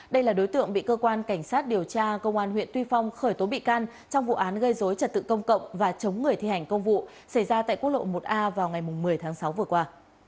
đây là đối tượng bị cơ quan cảnh sát điều tra công an huyện tuy phong khởi tố bị can trong vụ án gây dối trật tự công cộng và chống người thi hành công vụ xảy ra tại quốc lộ một a vào ngày một mươi tháng sáu vừa qua